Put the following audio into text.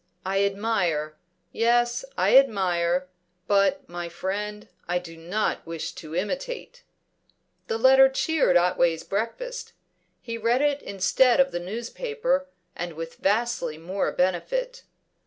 I admire; yes, I admire; but, my friend, I do not wish to imitate." The letter cheered Otway's breakfast; he read it instead of the newspaper, and with vastly more benefit.